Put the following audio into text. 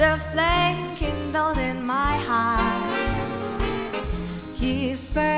ให้รุ่งเรื่องในวันนี้ใหม่